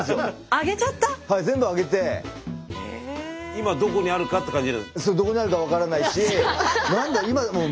今どこにあるかって感じ？